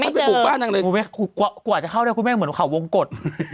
ฮะไม่เจอคุณแม่กูอาจจะเข้าได้คุณแม่เหมือนข่าววงกฎ